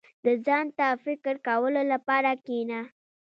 • د ځان ته فکر کولو لپاره کښېنه.